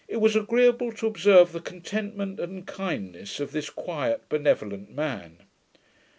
] agreeable to observe the contentment and kindness of this quiet, benevolent man.